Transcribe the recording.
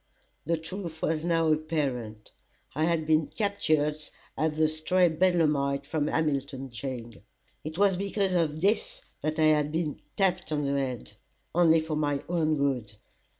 The truth was now apparent. I had been captured as the stray bedlamite from Hamilton jail. It was because of this that I had been "tapped on the head only for my own good."